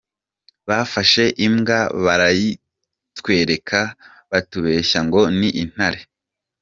Bafashe imbwa barayitwereka batubeshya ngo ni intare!".